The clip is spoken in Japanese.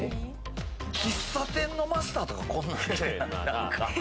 喫茶店のマスターとか、こんなん着てへん？